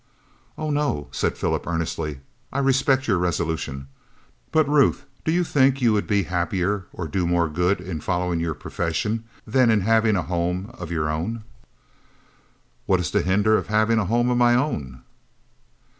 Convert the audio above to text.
"Oh, no," said Philip, earnestly, "I respect your resolution. But, Ruth, do you think you would be happier or do more good in following your profession than in having a home of your own?" "What is to hinder having a home of my own?"